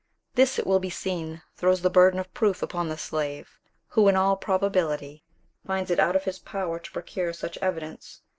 This, it will be seen, throws the burden of proof upon the slave, who, in all probability, finds it out of his power to procure such evidence.